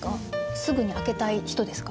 すぐに開けたい人ですか？